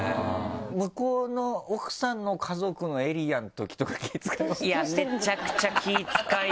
向こうの奥さんの家族のエリアのときとか気使いません？